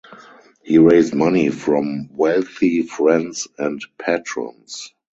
He raised money from wealthy friends and patrons.